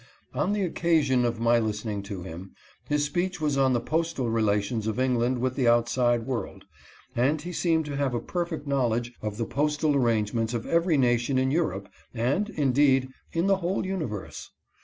On the occasion of 298 WILLIAM AND MARY HOWITT. my listening to him, his speech was on the postal rela tions of England with the outside world, and he seemed to have a perfect knowledge of the postal arrangements of every nation in Europe, and, indeed, in the whole uni verse.